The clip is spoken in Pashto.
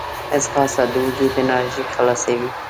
ځغاسته د وجود انرژي خلاصوي